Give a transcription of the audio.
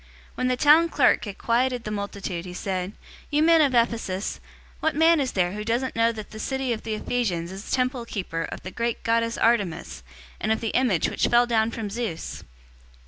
019:035 When the town clerk had quieted the multitude, he said, "You men of Ephesus, what man is there who doesn't know that the city of the Ephesians is temple keeper of the great goddess Artemis, and of the image which fell down from Zeus?